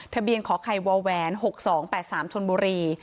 ทะเบียนขอไขววแหวน๖๒๘๓ชนบุรี